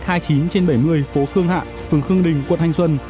hai mươi chín trên bảy mươi phố khương hạ phường khương đình quận hanh xuân